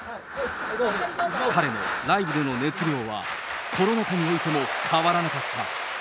彼のライブでの熱量は、コロナ禍においても変わらなかった。